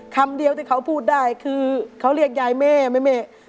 คำเดียวที่เขาพูดได้คือเขาเรียกยายแม่แม่